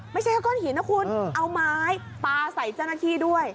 ไม่ใช่แค่ก้อนหินนะคุณเอาไม้ปลาใส่เจ้าหน้าที่ด้วย